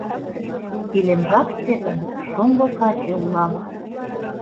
Илемжат шкетын — шоҥго каче улам.